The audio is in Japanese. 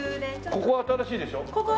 ここは新しいですね。